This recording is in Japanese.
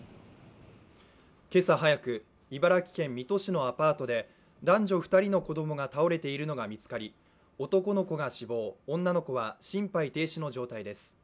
今朝早く茨城県水戸市のアパートで男女２人の子どもが倒れているのが見つかり、男の子は死亡、女の子は心肺停止の状態です。